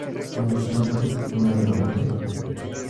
No obstante, no era obligatorio.